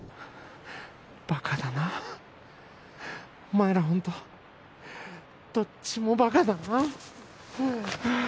バカだなお前らホントどっちもバカだな